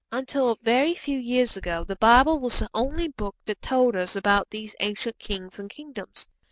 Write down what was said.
Until a very few years ago the Bible was the only Book that told us about these ancient kings and kingdoms.